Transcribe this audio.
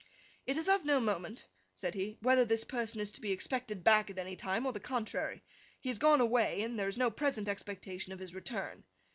'It is of no moment,' said he, 'whether this person is to be expected back at any time, or the contrary. He is gone away, and there is no present expectation of his return.